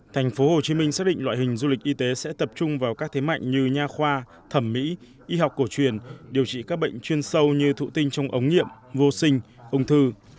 tp hcm xác định loại hình du lịch y tế sẽ tập trung vào các thế mạnh như nhà khoa thẩm mỹ y học cổ truyền điều trị các bệnh chuyên sâu như thụ tinh trong ống nhiệm vô sinh ung thư